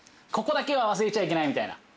ここだけは忘れちゃいけないみたいな。